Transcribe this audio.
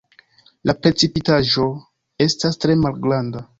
La precipitaĵo estas tre malgranda.